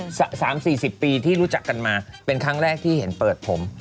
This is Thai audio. สามสี่สิบปีที่รู้จักกันมาเป็นครั้งแรกที่เห็นเปิดผม